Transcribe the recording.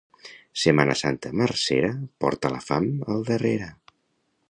Setmana Santa marcera porta la fam al darrere.